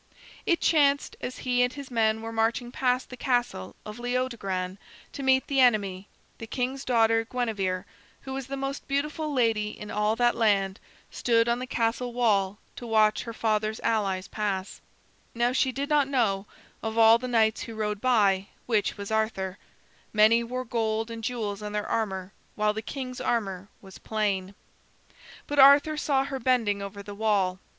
It chanced, as he and his men were marching past the castle of Leodogran to meet the enemy, the king's daughter, Guinevere, who was the most beautiful lady in all that land, stood on the castle wall to watch her father's allies pass. Now she did not know, of all the knights who rode by, which was Arthur. Many wore gold and jewels on their armor, while the king's armor was plain. [Illustration: "Arthur saw Guinevere bending over the wall"] But Arthur saw her bending over the wall.